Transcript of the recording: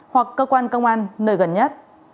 hoặc cơ quan công an nơi gần nhất